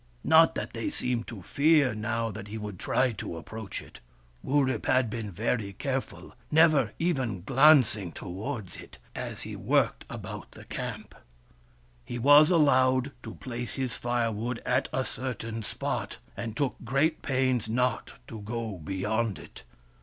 Not that they seemed to fear now that he would try to approach it. Wurip had been very careful, never even glancing towards it as he worked about the camp. He was allowed to place his firewood at a certain spot, and took great pains not to go beyond it.